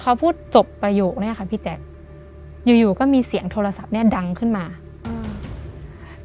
พอพูดจบประโยคเนี้ยค่ะพี่แจ๊คอยู่อยู่ก็มีเสียงโทรศัพท์เนี้ยดังขึ้นมาอืม